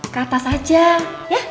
ke atas aja ya